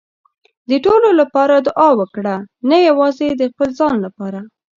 د ټولو لپاره دعا وکړه، نه یوازې د خپل ځان لپاره.